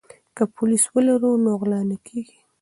که پولیس ولرو نو غلا نه کیږي.